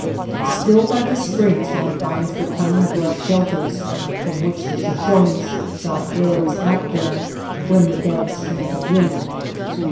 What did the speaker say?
Still by the springs one finds the cunning brush shelters from which the Shoshones shot arrows at them when the doves came to drink.